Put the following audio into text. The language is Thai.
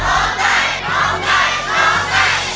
จะใช้หรือไม่ใช้ครับ